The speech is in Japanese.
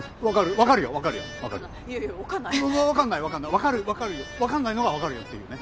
わわ分かんない分かんない分かる分かるよ分かんないのが分かるよっていうね。